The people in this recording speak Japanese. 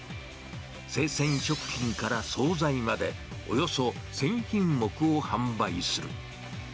生鮮食品から総菜まで、およそ１０００品目を販売する。